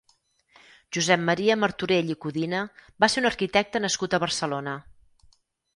Josep Maria Martorell i Codina va ser un arquitecte nascut a Barcelona.